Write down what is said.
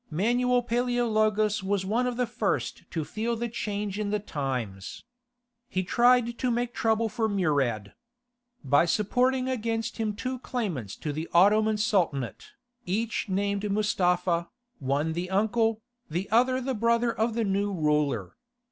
Manuel Paleologus was one of the first to feel the change in the times. He tried to make trouble for Murad, by supporting against him two claimants to the Ottoman Sultanate, each named Mustapha, one the uncle, the other the brother of the new ruler.